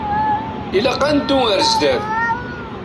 Ilaq ad neddu ar zdat.